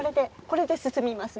これで進みます。